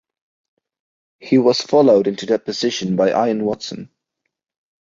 He was followed into that position by Ian Watson.